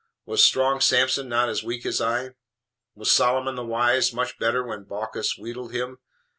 Was strong Samson not as weak as I? Was Solomon the Wise much better when Balkis wheedled him?